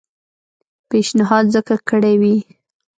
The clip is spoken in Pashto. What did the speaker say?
پېشنهاد ځکه کړی وي.